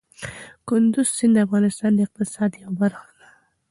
کندز سیند د افغانستان د اقتصاد یوه برخه ده.